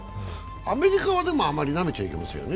アメリカはあまりなめちゃいけませんよね。